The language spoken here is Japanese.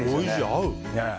合う。